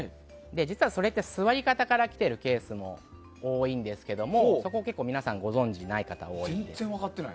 実は座り方からきてるケースも多いんですけどそこを結構皆さんご存じない方が多い。